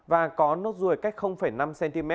và có nốt rùi cách năm cm